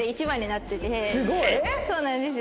そうなんですよ。